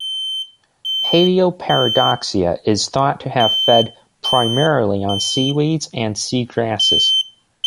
"Paleoparadoxia" is thought to have fed primarily on seaweeds and sea grasses.